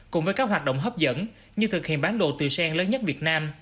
cùng với các hoạt động hấp dẫn như thực hiện bán đồ từ sen lớn nhất việt nam